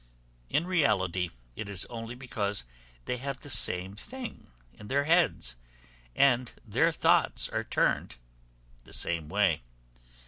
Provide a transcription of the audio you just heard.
In reality, it is only because they have the same thing in their heads, and their thoughts are turned the same way.